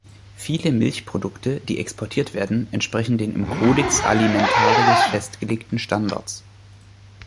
Viele Milchprodukte, die exportiert werden, entsprechen den im Codex Alimentarius festgelegten Standards.